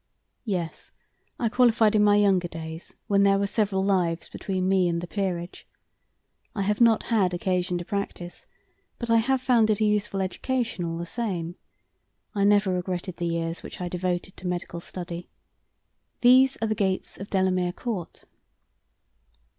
"Yes, I qualified in my younger days, when there were several lives between me and the peerage. I have not had occasion to practise, but I have found it a useful education, all the same. I never regretted the years which I devoted to medical study. These are the gates of Delamere Court."